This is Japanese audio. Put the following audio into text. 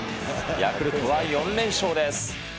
ヤクルトは４連勝です。